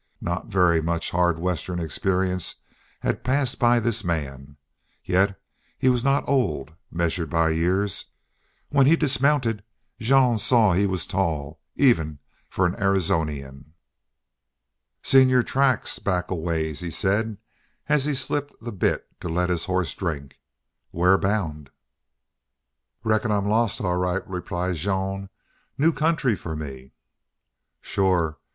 Not very much hard Western experience had passed by this man, yet he was not old, measured by years. When he dismounted Jean saw he was tall, even for an Arizonian. "Seen your tracks back a ways," he said, as he slipped the bit to let his horse drink. "Where bound?" "Reckon I'm lost, all right," replied Jean. "New country for me." "Shore.